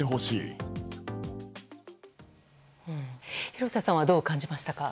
廣瀬さんはどう感じましたか？